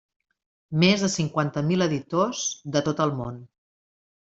Més de cinquanta mil editors de tot el món.